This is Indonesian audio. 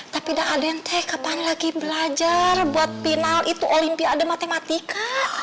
tapi dah adente kapan lagi belajar buat final itu olimpiade matematika